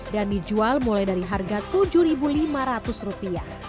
dan dijual mulai dari harga rp tujuh lima ratus